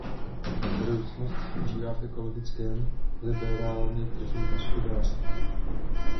Budoucnost spočívá v ekologickém, liberálně tržním hospodářství.